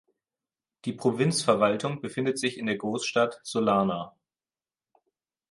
Die Provinzverwaltung befindet sich in der Großstadt Sullana.